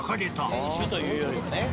店主というよりはね。